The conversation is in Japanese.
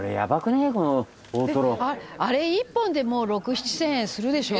「あれ１本でもう６０００７０００円するでしょう」